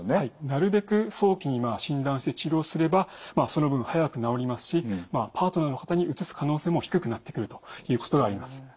なるべく早期に診断して治療すればその分早く治りますしパートナーの方にうつす可能性も低くなってくるということがあります。